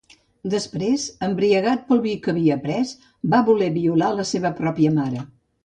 Després, embriagat pel vi que havia pres, va voler violar la seva pròpia mare.